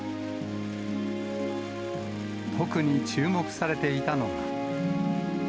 特に注目されていたのが。